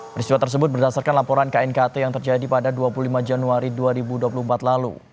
peristiwa tersebut berdasarkan laporan knkt yang terjadi pada dua puluh lima januari dua ribu dua puluh empat lalu